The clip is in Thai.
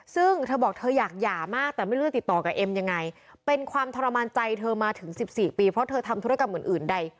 ซึ่งเธอบอกเธออยากหย่ามากแต่ไม่รู้จะติดต่อกับเอ็มยังไงเป็นความทรมานใจเธอมาถึง๑๔ปีเพราะเธอทำธุรกรรมอื่นใด